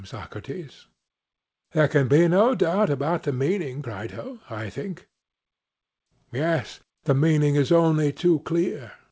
SOCRATES: There can be no doubt about the meaning, Crito, I think. CRITO: Yes; the meaning is only too clear.